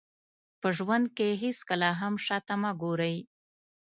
په ژوند کې هېڅکله هم شاته مه ګورئ.